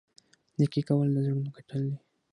نیکي کول د زړونو ګټل دي.